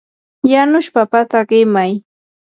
yanush papata qimay.